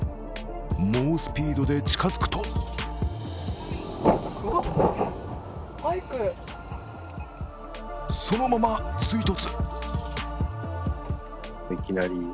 猛スピードで近づくとそのまま追突。